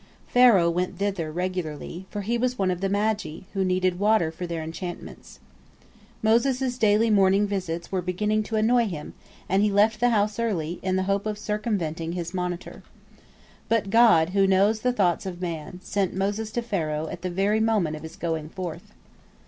Pharaoh went thither regularly, for he was one of the magi, who need water for their enchantments. Moses' daily morning visits were beginning to annoy him, and he left the house early, in the hope of circumventing his monitor. But God, who knows the thoughts of man, sent Moses to Pharaoh at the very moment of his going forth.